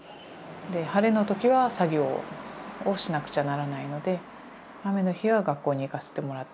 晴れの時は作業をしなくちゃならないので雨の日は学校に行かせてもらった。